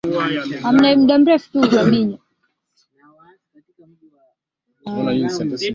Hata kama huna fedha kisiwani Zanzibar hutaachwa njaa